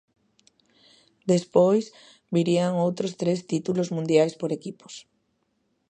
Despois virían outros tres títulos mundiais por equipos.